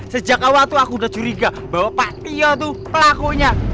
sejak awal itu aku udah curiga bahwa pak tio itu pelakunya